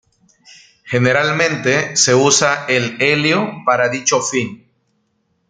Generalmente se usa el helio para dicho fin.